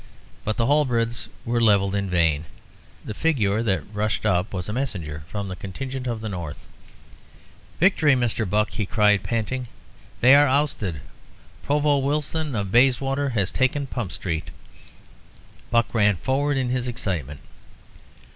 But the halberds were levelled in vain. The figure that rushed up was a messenger from the contingent of the North. "Victory, Mr. Buck!" he cried, panting; "they are ousted. Provost Wilson of Bayswater has taken Pump Street." Buck ran forward in his excitement.